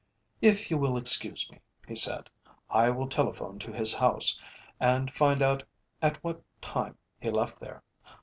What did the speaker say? "If you will excuse me," he said, "I will telephone to his house, and find out at what time he left there.